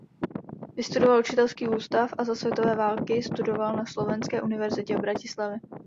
Vystudoval učitelský ústav a za světové války studoval na Slovenské univerzitě v Bratislavě.